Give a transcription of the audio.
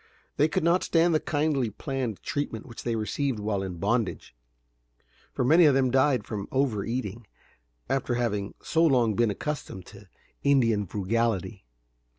They could not stand the kindly planned treatment which they received while in bondage, for many of them died from over eating, after having so long been accustomed to Indian frugality.